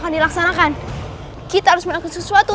t retransformasinya selesai nasir raden